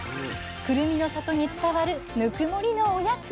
くるみの里に伝わるぬくもりのおやつ。